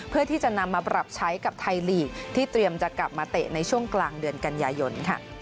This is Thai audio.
เพื่อที่จะนำมาปรับใช้กับไทยลีกที่เตรียมจะกลับมาเตะในช่วงกลางเดือนกันยายน